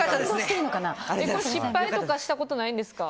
失敗とかしたことないんですか？